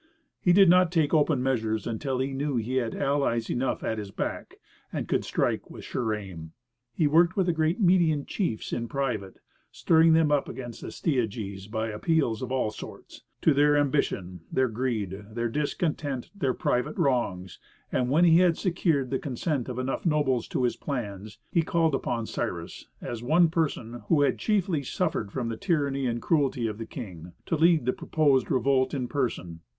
He did not take open measures until he knew he had allies enough at his back, and could strike with a sure aim. He worked with the great Median chiefs in private, stirring them up against Astyages by appeals of all sorts: to their ambition, their greed, their discontent, their private wrongs; and when he had secured the consent of enough nobles to his plans, he called upon Cyrus, as one who had chiefly suffered from the tyranny and cruelty of the king, to lead the proposed revolt in person.